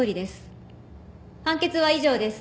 判決は以上です。